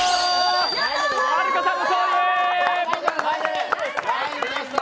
はるかさんの勝利。